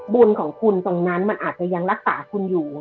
บุญของคุณตรงนั้นมันอาจจะยังรักษาคุณอยู่